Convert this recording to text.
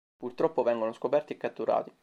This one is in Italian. Purtroppo, vengono scoperti e catturati.